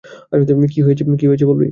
কী হয়েছে বলবি?